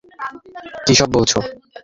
কী সব বলছ?